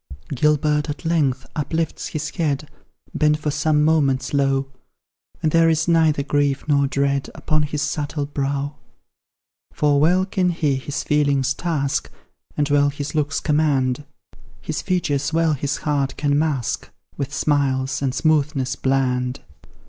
Gilbert, at length, uplifts his head, Bent for some moments low, And there is neither grief nor dread Upon his subtle brow. For well can he his feelings task, And well his looks command; His features well his heart can mask, With smiles and smoothness bland.